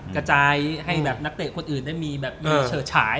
กระจายให้นักเตะคนอื่นได้มีเฉินฉาย